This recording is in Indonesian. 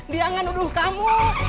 dia gak nuduh kamu